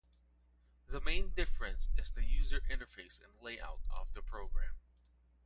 The main difference is the user interface and layout of the program.